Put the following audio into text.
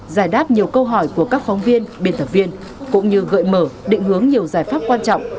giải đáp nhiều câu hỏi của các phóng viên biên tập viên cũng như gợi mở định hướng nhiều giải pháp quan trọng